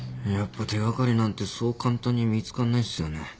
やっぱ手掛かりなんてそう簡単に見つかんないっすよね。